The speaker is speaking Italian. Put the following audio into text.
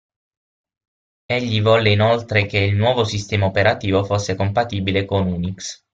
Egli volle inoltre che il nuovo sistema operativo fosse compatibile con Unix.